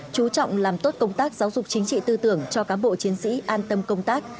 chú trọng làm tốt công tác giáo dục chính trị tư tưởng cho cán bộ chiến sĩ an tâm công tác